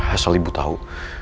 asal ibu tau